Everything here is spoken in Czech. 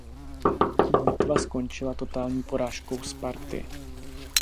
Bitva skončila totální porážkou Sparty.